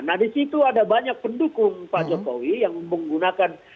nah di situ ada banyak pendukung pak jokowi yang menggunakan